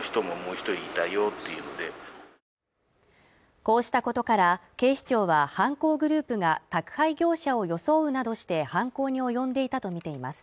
こうしたことから警視庁は犯行グループが宅配業者を装うなどして犯行に及んでいたとみています